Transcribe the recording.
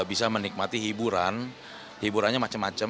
hiburannya macam macam hiburannya macam macam hiburannya macam macam